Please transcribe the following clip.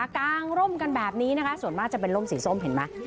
กางร่มกันแบบนี้นะคะส่วนมากจะเป็นร่มสีส้มเห็นไหม